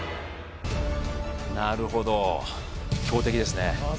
なるほど強敵ですね